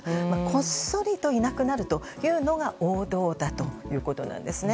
こっそりといなくなるというのが王道だということなんです。